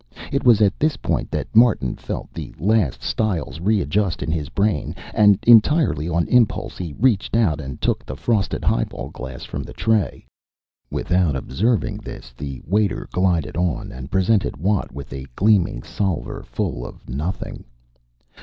It was at this point that Martin felt the last stiles readjust in his brain, and entirely on impulse he reached out and took the frosted highball glass from the tray. Without observing this the waiter glided on and presented Watt with a gleaming salver full of nothing.